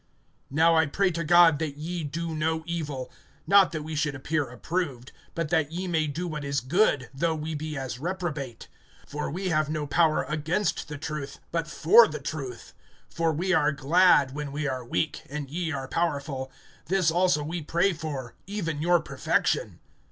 (7)Now I pray to God that ye do no evil; not that we should appear approved, but that ye may do what is good, though we be as reprobate. (8)For we have no power against the truth, but for the truth. (9)For we are glad, when we are weak, and ye are powerful; this also we pray for, even your perfection.